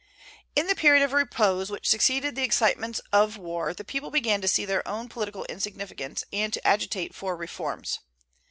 In the period of repose which succeeded the excitements of war the people began to see their own political insignificance, and to agitate for reforms.